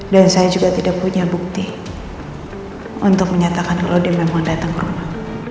dan saya juga tidak punya bukti untuk menyatakan kalau dia memang datang ke rumah